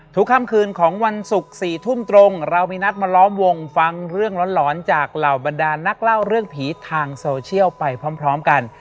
ค่ำคืนของวันศุกร์๔ทุ่มตรงเรามีนัดมาล้อมวงฟังเรื่องหลอนจากเหล่าบรรดานนักเล่าเรื่องผีทางโซเชียลไปพร้อมกัน